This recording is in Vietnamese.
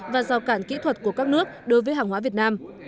và rào cản kỹ thuật của các nước đối với hàng hóa việt nam